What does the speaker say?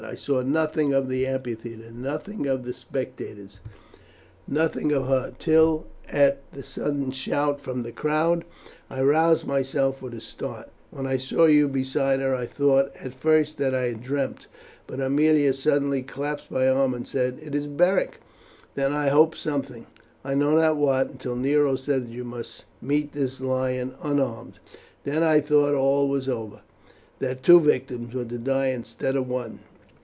I saw nothing of the amphitheatre, nothing of the spectators, nothing but her, till, at the sudden shout from the crowd, I roused myself with a start. When I saw you beside her I thought at first that I dreamed; but Aemilia suddenly clasped my arm and said, 'It is Beric!' Then I hoped something, I know not what, until Nero said that you must meet the lion unarmed. "Then I thought all was over that two victims were to die instead of one.